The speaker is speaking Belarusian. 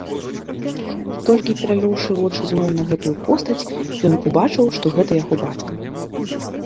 Толькі перавёўшы вочы зноў на гэтую постаць, ён убачыў, што гэта яго бацька.